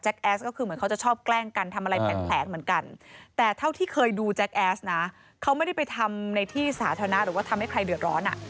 ก็คือเหมือนเขาจะชอบแกล้งกันทำอะไรแผลงเหมือนกันแต่เท่าที่เคยดูแจ็คแอสนะเขาไม่ได้ไปทำในที่สาธารณะหรือว่าทำให้ใครเดือดร้อนอ่ะ